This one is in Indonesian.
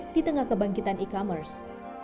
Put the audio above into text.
di tengah kebangkitan e commerce